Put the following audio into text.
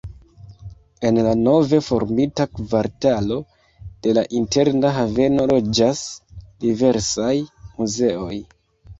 En la nove formita kvartalo de la Interna Haveno loĝas diversaj muzeoj.